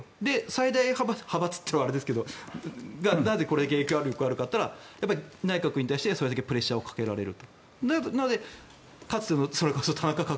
最大派閥派閥って言ったらあれですけどそれがなんでそれだけ影響力があるかといったらやっぱり内閣に対してそれだけプレッシャーをかけられる。